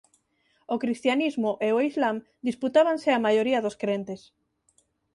O cristianismo e o islam disputábanse a maioría dos crentes.